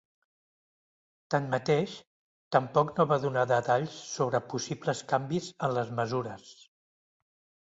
Tanmateix, tampoc no va donar detalls sobre possibles canvis en les mesures.